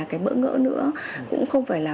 cái bỡ ngỡ nữa cũng không phải là